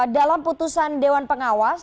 dalam putusan dewan pengawas